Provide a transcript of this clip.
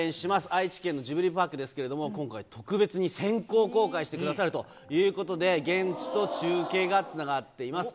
愛知県のジブリパークですけれども、今回、特別に先行公開してくださるということで、現地と中継がつながっています。